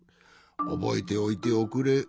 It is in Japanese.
おぼえておいておくれ。